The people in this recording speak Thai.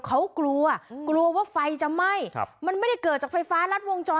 เขากลัวกลัวว่าไฟจะไหม้ครับมันไม่ได้เกิดจากไฟฟ้ารัดวงจร